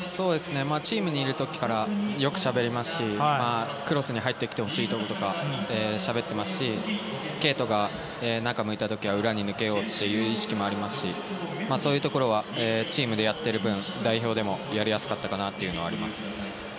チームにいる時からよくしゃべりますしクロスに入ってきてほしいとかしゃべってますし敬斗が中向いたときは裏にという意識もありましたしそういうところはチームでやっている分代表でもやりやすかったかなと思います。